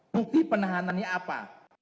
bukti penahanannya apa